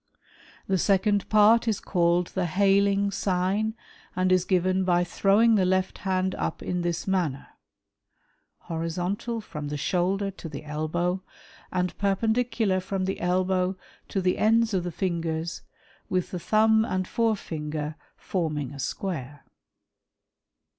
The second part is called the hailing sign, and is *' given by throwing the left hand up in this manner {horizontal ^^ from the shoulder to the elbov ^ and perpendicular from the '' elbow to the ends of the fingers, with the thumb and forefinger '"'forming a square.)